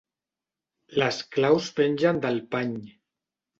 Les claus pengen del pany.